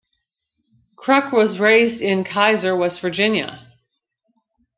Kruk was raised in Keyser, West Virginia.